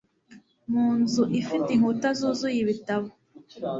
Mu nzu ifite inkuta zuzuye ibitabo